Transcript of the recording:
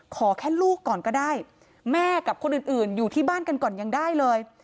ขอแค่ลูกก่อนก็ได้แม่กับคนอื่นอยู่ที่บ้านกันก่อนยังได้เลย